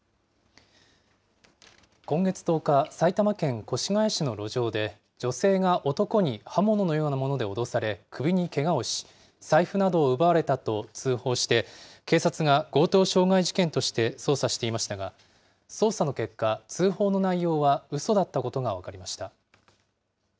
今月１０日、埼玉県越谷市の路上で、女性が男に刃物のようなもので脅され、首にけがをし、財布などを奪われたと通報して、警察が強盗傷害事件として捜査していましたが、捜査の結果、通報の内容はうそだったことが分かりました。